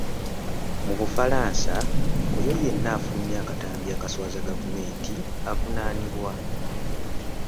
Mu Bufalansa oyo yenna afulumya akatambi akaswaza gavumenti avunaanibwa.